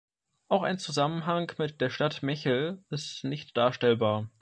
Auch ein Zusammenhang mit der Stadt Mechel ist nicht darstellbar.